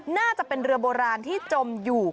น่าจะเป็นเรือโบราณที่จมอยู่